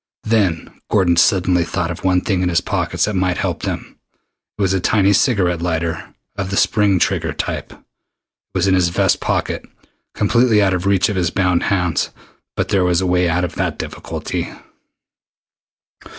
Then Gordon suddenly thought of the one thing in his pockets that might help them. It was a tiny cigarette lighter, of the spring trigger type. It was in his vest pocket completely out of reach of his bound hands, but there was a way out of that difficulty.